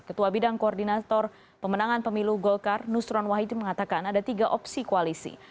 ketua bidang koordinator pemenangan pemilu golkar nusron wahidi mengatakan ada tiga opsi koalisi